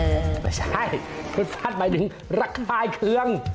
ไม่ใช่ฟืดฟัดหมายถึงรักภายเครื่อง